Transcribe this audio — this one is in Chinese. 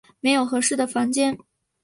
没有适合的房间